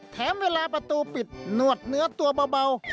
แถมเวลาประตูปิดนวดเนื้อตัวเบา